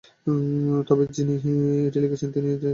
তবে যিনি এটি লিখেছেন তিনি এসে দেখার পরে এটা গ্রহণ করা হয়েছে।